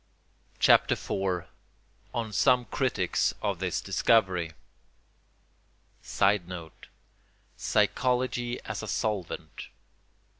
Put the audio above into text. CHAPTER IV—ON SOME CRITICS OF THIS DISCOVERY [Sidenote: Psychology as a solvent.